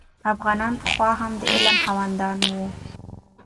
افغانان پخوا هم د علم خاوندان وو.